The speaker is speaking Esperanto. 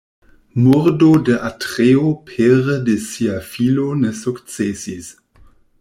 Murdo de Atreo pere de sia filo ne sukcesis.